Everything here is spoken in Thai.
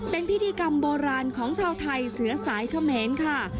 เป็นพิธีกรรมโบราณของชาวไทยเสือสายเขมรค่ะ